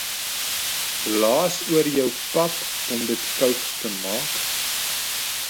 Blaas oor jou pap om dit koud te maak.